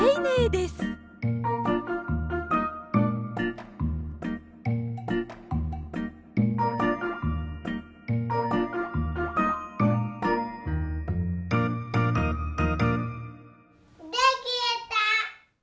できた！